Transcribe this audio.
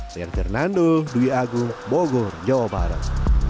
saya fernando dwi agung bogor jawa barat